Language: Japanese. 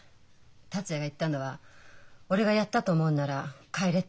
達也が言ったのは「俺がやったと思うんなら帰れ」